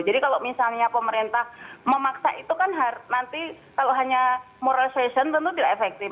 jadi kalau misalnya pemerintah memaksa itu kan nanti kalau hanya moralization tentu tidak efektif